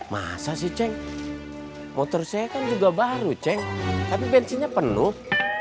masa sih ceng motor saya kan juga baru ceng tapi bensinnya penuh